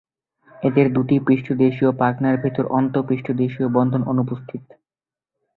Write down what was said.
এদের দুটি পৃষ্ঠদেশীয় পাখনার ভেতর অন্ত পৃষ্ঠদেশীয় বন্ধন অনুপস্থিত।